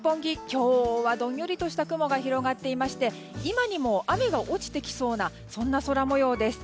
今日はどんよりとした雲が広がっていまして今にも雨が落ちてきそうなそんな空模様です。